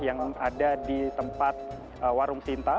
yang ada di tempat warung sinta